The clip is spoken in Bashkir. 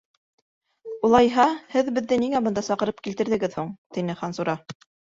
Улайһа, һеҙ беҙҙе ниңә бында саҡырып килтерҙегеҙ һуң? - тине Хансура.